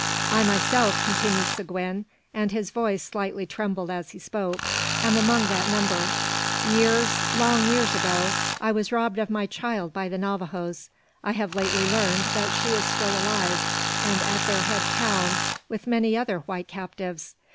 "I myself," continued Seguin, and his voice slightly trembled as he spoke, "am among that number. Years, long years ago, I was robbed of my child by the Navajoes. I have lately learned that she is still alive, and at their head town with many other white captives.